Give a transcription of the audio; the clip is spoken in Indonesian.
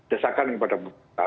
desakan kepada pemerintah